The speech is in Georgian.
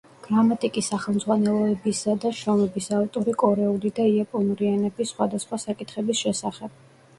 გრამატიკის სახელმძღვანელოებისა და შრომების ავტორი კორეული და იაპონური ენების სხვადასხვა საკითხების შესახებ.